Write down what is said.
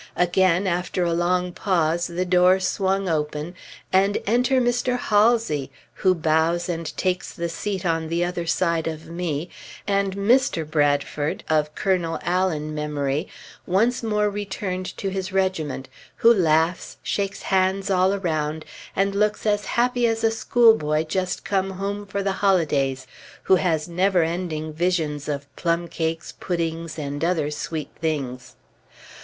Again, after a long pause, the door swung open, and enter Mr. Halsey, who bows and takes the seat on the other side of me, and Mr. Bradford, of Colonel Allen memory, once more returned to his regiment, who laughs, shakes hands all around, and looks as happy as a schoolboy just come home for the holidays, who has never ending visions of plumcakes, puddings, and other sweet things.